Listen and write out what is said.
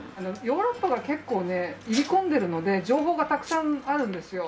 ヨーロッパが結構ね入り込んでるので情報がたくさんあるんですよ。